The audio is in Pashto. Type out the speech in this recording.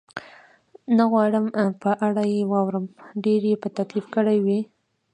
نه غواړم په اړه یې واورم، ډېر یې په تکلیف کړی وې؟